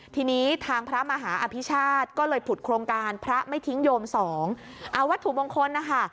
ทีนี้ทางพระมหาอภิชาติก็เลยผุดโครงการพระไม่ทิ้งโยมสองเอาวัตถุมงคลนะคะ